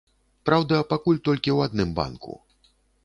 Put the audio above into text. Праўда, пакуль толькі ў адным банку.